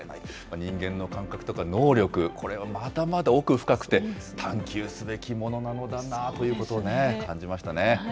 人間の感覚とか能力、これはまだまだ奥深くて、探究すべきものなのだなということを感じましたね。